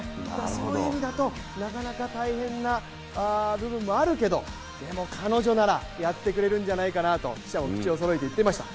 そういう意味だとなかなか大変な部分もあるけどでも彼女ならやってくれるんじゃないかなと記者も口をそろえて言ってました。